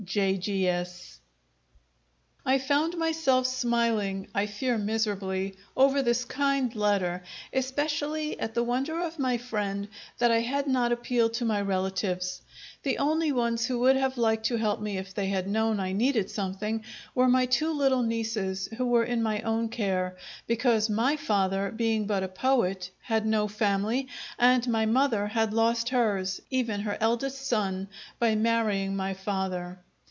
J.G.S." I found myself smiling I fear miserably over this kind letter, especially at the wonder of my friend that I had not appealed to my relatives. The only ones who would have liked to help me, if they had known I needed something, were my two little nieces who were in my own care; because my father, being but a poet, had no family, and my mother had lost hers, even her eldest son, by marrying my father.